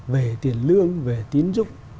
về tiền lương về tiến trúc